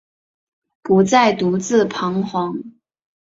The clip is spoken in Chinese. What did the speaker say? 不再独自徬惶